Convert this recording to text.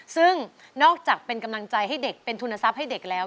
ซึ่งนอกจากเป็นกำลังใจให้เด็กเป็นทุนทรัพย์ให้เด็กแล้ว